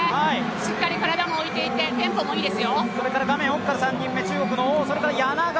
しっかり体も浮いていて、テンポもいいですよ。